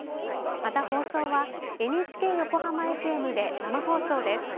また、放送はＮＨＫ横浜ＦＭで生放送です。